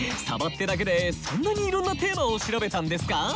サバってだけでそんなにいろんなテーマを調べたんですか？